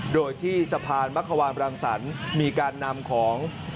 โดยที่สะพานมะขวานบรังสรรค์มีการนำของ